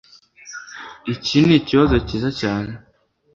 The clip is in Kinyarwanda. Iki nikibazo cyiza cyane